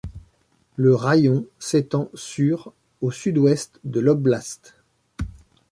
Le raïon s'étend sur au sud-ouest de l'oblast.